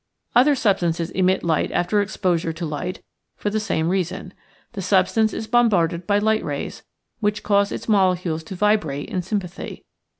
Other substances emit light after exposure to light for the same reason. The substance is bombarded by light rays, which cause its molecules to vibrate in sympathy.